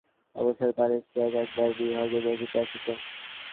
কোনো আবশ্যক না থাকিলেও অবসর পাইলে সে এক-একবার বিভাকে দেখিতে আসিত।